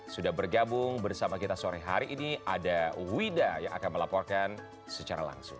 sudah bergabung bersama kita sore hari ini ada wida yang akan melaporkan secara langsung